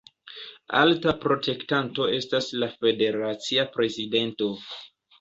Alta protektanto estas la federacia prezidento.